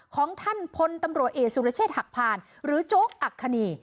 ของท่านพลตำรวจเอกสุรเชษฐหักพานหรือโจ๊กอัคคณี